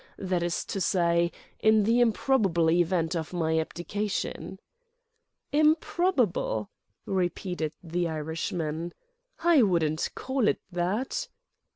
—that is to say, in the improbable event of my abdication." "Improbable?" repeated the Irishman. "I wouldn't call it that."